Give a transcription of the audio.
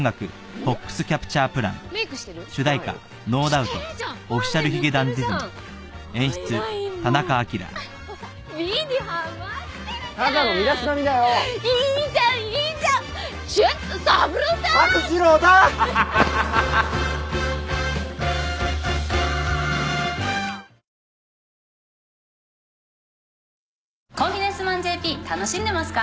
『コンフィデンスマンＪＰ』楽しんでますか？